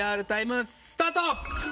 ＰＲタイムスタート。